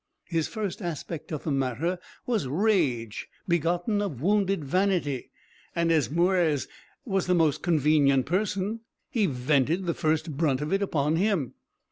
His first aspect of the matter was rage begotten of wounded vanity, and as Mwres was the most convenient person, he vented the first brunt of it upon him.